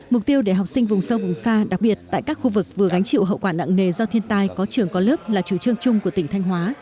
mục tiêu để học sinh vùng sâu vùng xa đặc biệt tại các khu vực vừa gánh chịu hậu quả nặng nề do thiên tai có trường có lớp là chủ trương chung của tỉnh thanh hóa